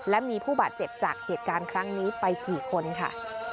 และมีผู้บาดเจ็บจากเหตุการณ์ครั้งนี้ไปกี่คนค่ะ